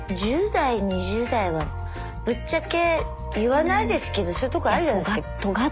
１０代２０代はぶっちゃけ言わないですけどそういうとこあるじゃないですか。